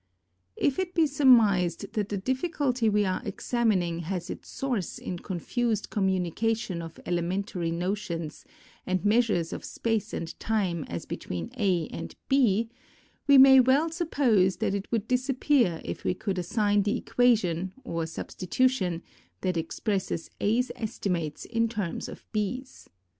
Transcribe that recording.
If it be surmised that the difficulty we are examining has its source in confused communication of elementary notions and measures of space and time as between A and B, we may well sup pose that it would disappear if we could assign the equation, or substitution, that expresses A's estimates in terms of B's.